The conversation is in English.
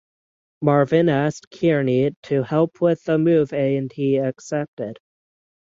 Marvin asked Kearney to help with the move and he accepted.